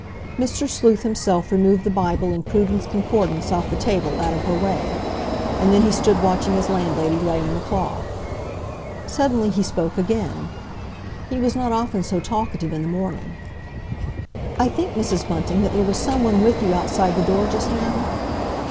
'" Mr. Sleuth himself removed the Bible and Cruden's Concordance off the table out of her way, and then he stood watching his landlady laying the cloth. Suddenly he spoke again. He was not often so talkative in the morning. "I think, Mrs. Bunting, that there was someone with you outside the door just now?"